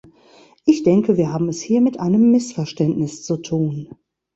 Ich denke, wir haben es hier mit einem Missverständnis zu tun.